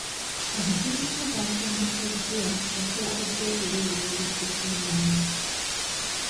Abavubuka abatendekeddwa bateekeddwa okuwebwa ekifo ky'emirimu .